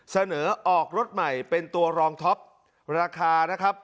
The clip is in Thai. เสนอออกรถใหม่เป็นตัวรองท็อปราคานะครับ